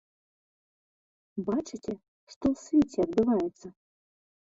Бачыце, што ў свеце адбываецца?